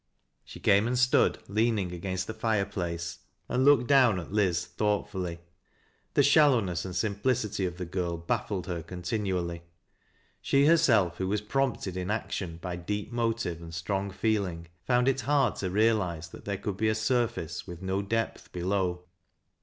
She came and stood leaning against the fire place, and looked down at Liz thoughtfully. The shallowness and simplicity of the girl baffled her continually. She herself, who was prompted in action by deep motive and strong feeling, found it hard to realize that there could be a sur face with no depth below.